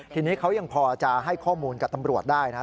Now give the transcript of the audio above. ทีนี้เขายังพอจะให้ข้อมูลกับตำรวจได้นะ